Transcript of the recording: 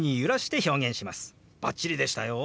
バッチリでしたよ！